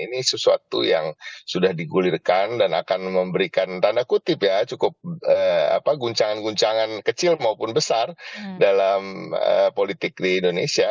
ini sesuatu yang sudah digulirkan dan akan memberikan tanda kutip ya cukup guncangan guncangan kecil maupun besar dalam politik di indonesia